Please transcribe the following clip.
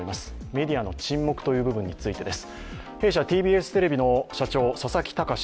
メディアの沈黙という部分についてです。